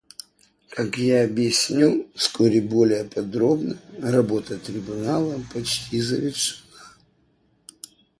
Как я объясню вскоре более подробно, работа Трибунала почти завершена.